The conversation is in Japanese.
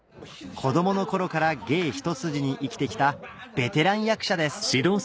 子どもの頃から芸一筋に生きてきたベテラン役者です